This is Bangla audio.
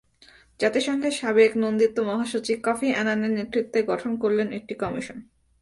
জাতিসংঘের সাবেক নন্দিত মহাসচিব কফি আনানের নেতৃত্বে গঠন করলেন একটি কমিশন।